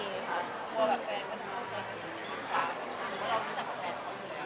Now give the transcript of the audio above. รู้สึกว่าแบบแม่ก็จะเข้าใจเป็นการส่วนตัวหรือว่าเรารู้สึกแบบแม่ของเค้าอยู่แล้ว